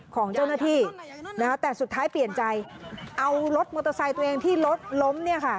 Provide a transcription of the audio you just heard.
ของเจ้าหน้าที่นะคะแต่สุดท้ายเปลี่ยนใจเอารถมอเตอร์ไซค์ตัวเองที่รถล้มเนี่ยค่ะ